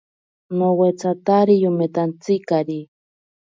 Nowetsatari yometantsikari.